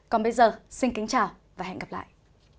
còn bây giờ xin kính chào và hẹn gặp lại